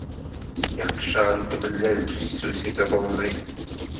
Iqcer n tmellalt fessus i truẓi.